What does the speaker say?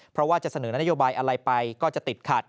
เพราะว่าจะเสนอนโยบายอะไรไปก็จะติดขัด